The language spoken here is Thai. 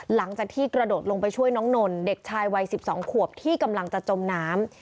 หลังจากที่กระโดดลงไปช่วยน้องนนเด็กชายวัย๑๒ขวบที่กำลังจะจมน้ำ